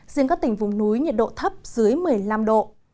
riêng các tỉnh vùng núi nhiệt độ thấp dưới một mươi năm độ